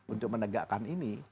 untuk menegakkan ini